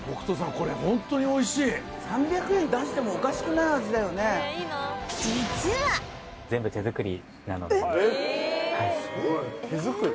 これホントにおいしい３００円出してもおかしくない味だよねえっ手作り？